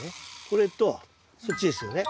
これとそっちですよね。